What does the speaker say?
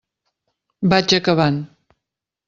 Vaig acabant.